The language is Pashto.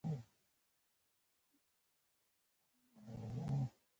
آیا دوی د غنمو د ساتلو سیلوګانې نلري؟